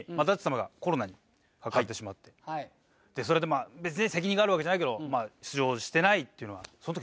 かかってしまってそれで別に責任があるわけじゃないけど出場してないっていうのはその時。